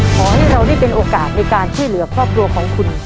ขอให้เราได้เป็นโอกาสในการช่วยเหลือครอบครัวของคุณ